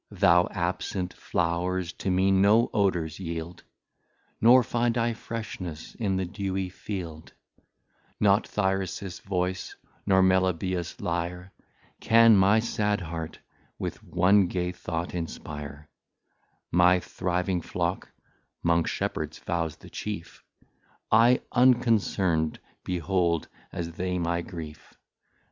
Thou absent, Flow'rs to me no Odours yield, Nor find I freshness in the dewy Field; Not Thyrsis Voice, nor Melibeus Lire, Can my Sad Heart with one Gay Thought inspire; My thriving Flock ('mong Shepherds Vows the Chief) I unconcern'd behold, as they my Grief.